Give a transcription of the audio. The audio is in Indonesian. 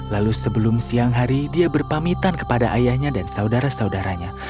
lalu sebelum siang hari dia berpamitan kepada ayahnya dan saudara saudaranya